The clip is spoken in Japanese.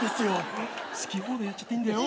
好き放題やっちゃっていいんだよ。